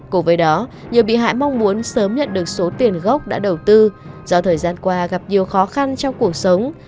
cùng với đó nhiều bị hại mong muốn sớm nhận được số tiền gốc đã đầu tư do thời gian qua gặp nhiều khó khăn trong cuộc sống